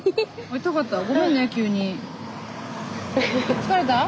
疲れた？